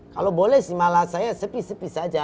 kalau boleh sih malah saya sepi sepi saja